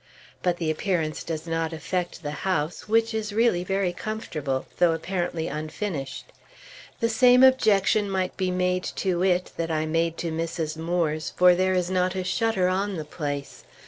But the appearance does not affect the house, which is really very comfortable, though apparently unfinished. The same objection might be made to it that I made to Mrs. Moore's, for there is not a shutter on the place.